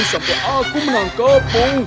jangan sampai aku menangkapmu